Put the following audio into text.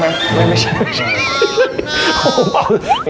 ไม่ไม่ใช่